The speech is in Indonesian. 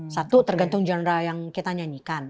satu tergantung genre yang kita nyanyikan